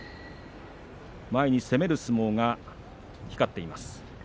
前に攻める相撲が光っています。